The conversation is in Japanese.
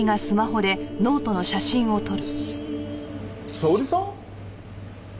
沙織さん？